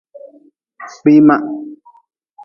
Kpima.